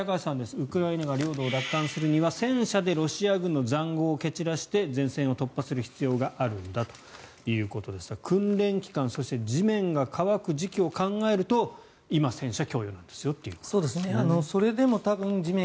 ウクライナが領土を奪還するには戦車でロシア軍の塹壕を蹴散らして前線を突破する必要があるんだということですが訓練期間、そして地面が乾く時期を考えると今、戦車供与なんですよということなんですね。